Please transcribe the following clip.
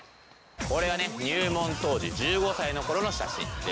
これはね入門当時１５歳の頃の写真です。